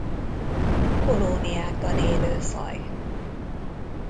Kolóniákban élő faj.